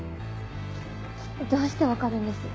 どうしてわかるんです？